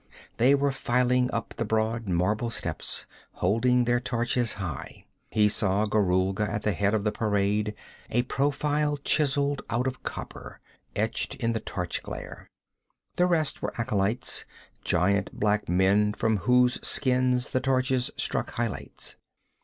They were filing up the broad marble steps, holding their torches high. He saw Gorulga at the head of the parade, a profile chiseled out of copper, etched in the torch glare. The rest were acolytes, giant black men from whose skins the torches struck highlights.